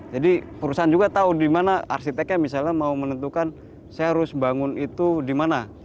jadi perusahaan juga tahu dimana arsiteknya misalnya mau menentukan saya harus bangun itu dimana